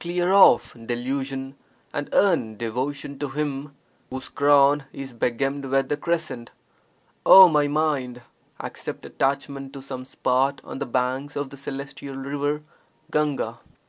Clear off delusion and earn devotion to Him whose crown is begemmed with the crescent. Oh my mind, accept attachment to some spot on the banks of the celestial river (Gahga).